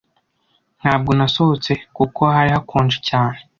Ntabwo nasohotse kuko hari hakonje cyane.